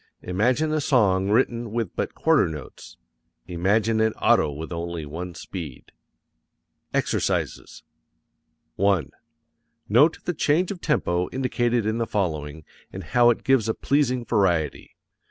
Imagine a song written with but quarter notes. Imagine an auto with only one speed. EXERCISES 1. Note the change of tempo indicated in the following, and how it gives a pleasing variety.